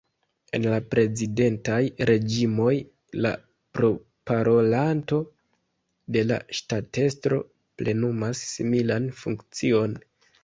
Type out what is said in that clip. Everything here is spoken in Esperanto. En la prezidentaj reĝimoj, la proparolanto de la ŝtatestro plenumas similan funkcion.